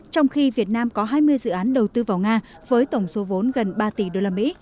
trong khi việt nam có hai mươi dự án đầu tư vào nga với tổng số vốn gần ba tỷ usd